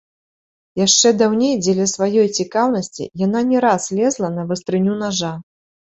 Яшчэ даўней дзеля сваёй цікаўнасці яна не раз лезла на вастрыню нажа.